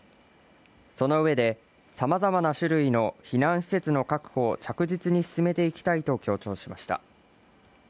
その上で、様々な種類の避難施設の確保を着実に進めていきたいと強調しました。